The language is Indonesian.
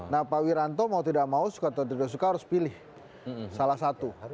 nah pak wiranto mau tidak mau suka atau tidak suka harus pilih salah satu